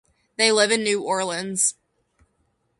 They live in New Orleans.